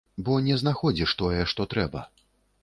Бо не знаходзіш тое, што трэба.